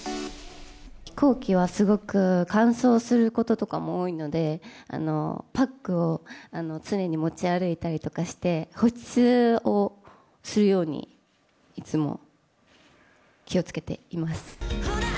飛行機はすごく乾燥することとかも多いので、パックを常に持ち歩いたりとかして、保湿をするようにいつも気をつけています。